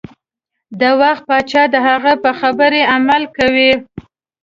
د وخت پاچا د هغې په خبرو عمل کاوه.